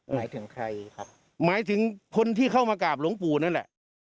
หมายถึงใครครับหมายถึงคนที่เข้ามากราบหลวงปู่นั่นแหละ